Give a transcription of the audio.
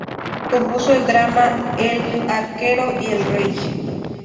Compuso el drama "El Arquero y el Rey".